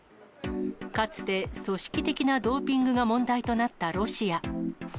かつて組織的なドーピングが問題となったロシア。